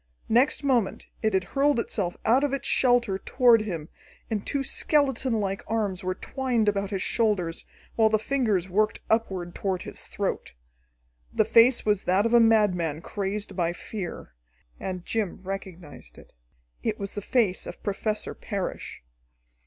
Next moment it had hurled itself out of its shelter toward him, and two skeletonlike arms were twined about his shoulders, while the fingers worked upward toward his throat. The face was that of a madman, crazed by fear. And Jim recognized it. It was the face of Professor Parrish.